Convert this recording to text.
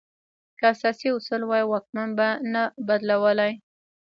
که اساسي اصول وای، واکمن به نه بدلولای.